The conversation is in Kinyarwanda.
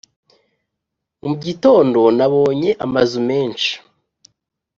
mu gitondo nabonye amazu menshi